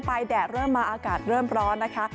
แดดเริ่มมาอากาศเริ่มร้อนนะคะ